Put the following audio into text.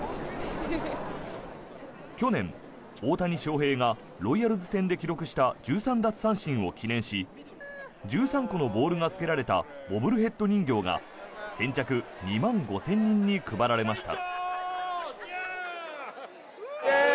去年、大谷翔平がロイヤルズ戦で記録した１３奪三振を記念し１３個のボールがつけられたボブルヘッド人形が先着２万５０００人に配られました。